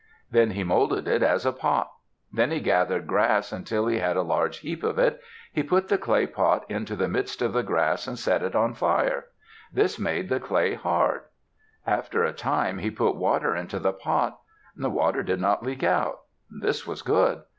Then he molded it as a pot. Then he gathered grass until he had a large heap of it; he put the clay pot into the midst of the grass and set it on fire. This made the clay hard. After a time he put water into the pot; the water did not leak out. This was good.